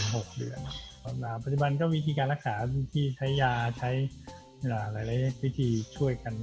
ปัจจุบันก็วิธีการรักษาวิธีใช้ยาใช้หลายวิธีช่วยกัน